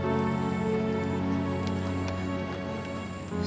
masjid yang tersebut